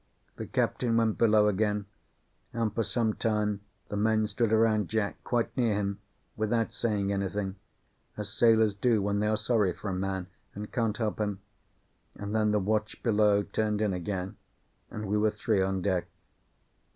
The captain went below again, and for some time the men stood around Jack, quite near him, without saying anything, as sailors do when they are sorry for a man and can't help him; and then the watch below turned in again, and we were three on deck.